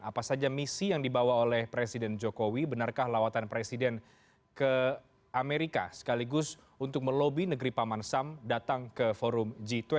apa saja misi yang dibawa oleh presiden jokowi benarkah lawatan presiden ke amerika sekaligus untuk melobi negeri paman sam datang ke forum g dua puluh